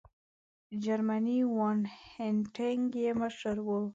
جرمنی وان هینټیګ یې مشر وو.